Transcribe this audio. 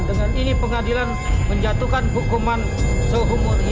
dengan ini pengadilan menjatuhkan hukuman seumur hidup